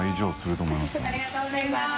ありがとうございます。